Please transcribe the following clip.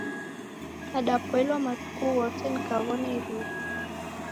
Nadaboilwa matuku ghose nikaw'ona iruw'a.